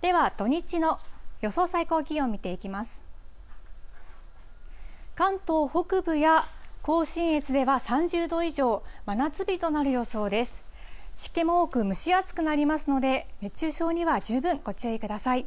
湿気も多く、蒸し暑くなりますので、熱中症には十分ご注意ください。